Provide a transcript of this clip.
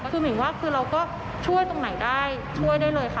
คือหมิ่งว่าคือเราก็ช่วยตรงไหนได้ช่วยได้เลยค่ะ